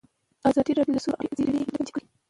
ازادي راډیو د سوله په اړه څېړنیزې لیکنې چاپ کړي.